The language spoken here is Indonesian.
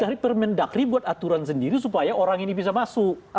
dari permendagri buat aturan sendiri supaya orang ini bisa masuk